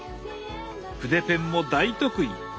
筆ペンも大得意！